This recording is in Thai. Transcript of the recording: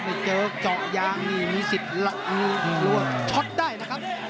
ออกไปเจอกเจาะยางมีสิทธิ์ช็อตได้นะครับ